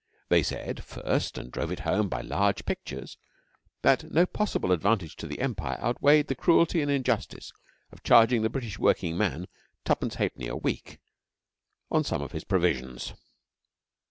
They said first, and drove it home by large pictures, that no possible advantage to the Empire outweighed the cruelty and injustice of charging the British working man twopence halfpenny a week on some of his provisions.